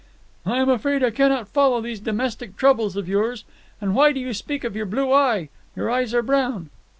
"I am afraid I cannot follow these domestic troubles of yours. And why do you speak of your blue eye? Your eyes are brown."